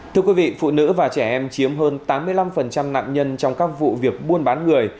thưa quý vị phụ nữ và trẻ em chiếm hơn tám mươi năm nạn nhân trong các vụ việc buôn bán người